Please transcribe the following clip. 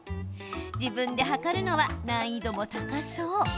自分で測るのは難易度も高そう。